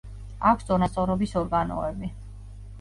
აქვეა წონასწორობის ორგანოები.